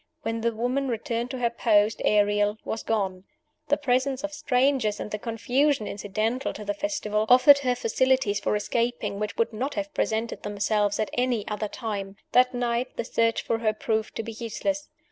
When the woman returned to her post, Ariel was gone. The presence of strangers, and the confusion incidental to the festival, offered her facilities for escaping which would not have presented themselves at any other time. That night the search for her proved to be useless.